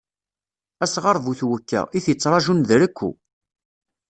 Asɣar bu twekka, i t-ittṛaǧun d rekku.